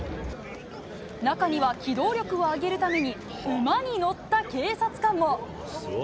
中には機動力を上げるために、馬に乗った警察官も。